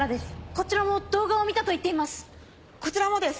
こちらも動画を見たと言っています！